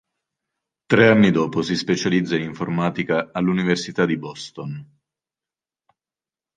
Tre anni dopo si specializza in informatica all'università di Boston.